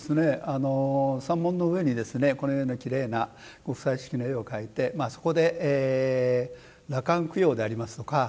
三門の上にこのようなきれいな極彩色な絵を描いてそこで羅漢供養でありますとか